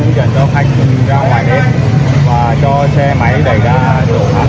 nói là các em có hiểm ngữ hãy để lại vào chỗ hãy để lại vào chỗ lỡri cứng